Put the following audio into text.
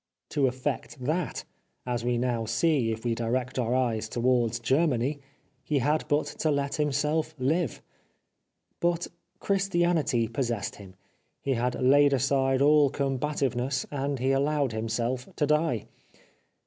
To effect that, as we now see if we direct our eyes towards Germany, he had but to let himself live. But Christianity possessed him ; he had laid aside all combativeness, and he allowed himself to die.